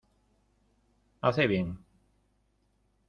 hace bien.